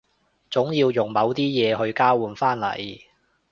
總要用某啲嘢去交換返嚟